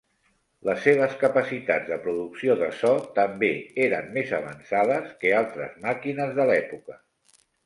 Les seves capacitats de producció de so també eren més avançades que altres màquines de l'època.